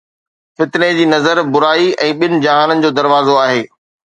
فتني جي نظر برائي ۽ ٻن جهانن جو دروازو آهي